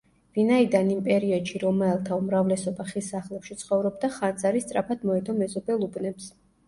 ვინაიდან იმ პერიოდში რომაელთა უმრავლესობა ხის სახლებში ცხოვრობდა, ხანძარი სწრაფად მოედო მეზობელ უბნებს.